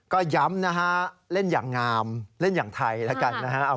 ก็ย้ำนะฮะเล่นอย่างงามเล่นอย่างไทยแล้วกันนะฮะ